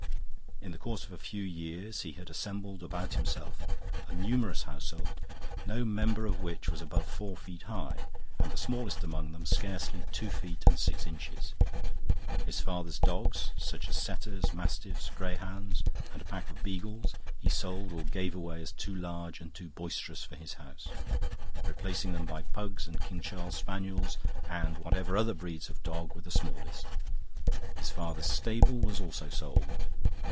In the course of a few years he had assembled about himself a numerous household, no member of which was above four feet high and the smallest among them scarcely two feet and six inches. His father's dogs, such as setters, mastiffs, greyhounds, and a pack of beagles, he sold or gave away as too large and too boisterous for his house, replacing them by pugs and King Charles spaniels and whatever other breeds of dog were the smallest. His father's stable was also sold.